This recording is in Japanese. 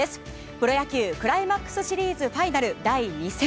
プロ野球クライマックスシリーズファイナル第２戦。